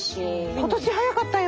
今年早かったよ